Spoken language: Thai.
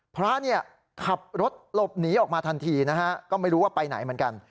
พระเนี่ยขับรถหลบหนีออกมาทันทีนะฮะก็ไม่รู้ว่าไปไหนเหมือนกัน